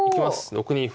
６二歩。